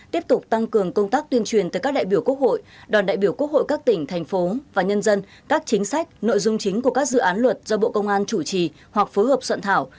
tiếp tục tăng cường công tác tuyên truyền tới các đại biểu quốc hội đoàn đại biểu quốc hội các tỉnh thành phố và nhân dân các chính sách nội dung chính của các dự án luật do bộ công an chủ trì hoặc phối hợp soạn thảo